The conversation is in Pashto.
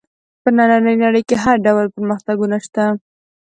په نننۍ نړۍ کې هر ډول پرمختګونه شته.